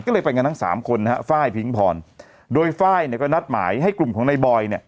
ก็เลยไปกันทั้ง๓คนไฟล์พิงพรโดยไฟล์ก็นัดหมายให้กลุ่มของในบอย